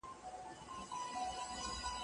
دلته یو وخت د ساقي کور وو اوس به وي او کنه